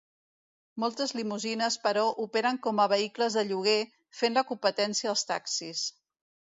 Moltes limusines, però, operen com a vehicles de lloguer, fent la competència als taxis.